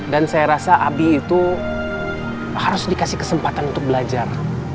dan saya rasa abi itu harus dikasih kesempatan untuk belajar